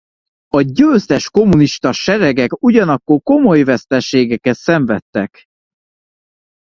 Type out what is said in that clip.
A győztes kommunista seregek ugyanakkor komoly veszteségeket szenvedtek.